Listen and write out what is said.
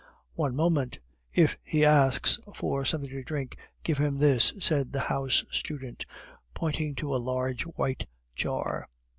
"One moment, if he asks for something to drink, give him this," said the house student, pointing to a large white jar.